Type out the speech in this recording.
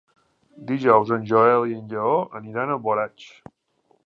Dijous en Joel i en Lleó aniran a Alboraig.